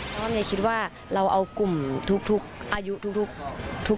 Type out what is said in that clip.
อ้อมเลยคิดว่าเราเอากลุ่มทุกอายุทุก